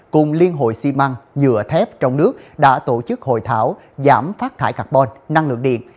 cùng liên hội ximăng dựa thép trong nước đã tổ chức hội thảo giảm phát thải carbon năng lượng điện